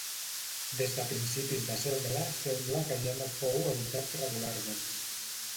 Des de principis de segle sembla que ja no fou habitat regularment.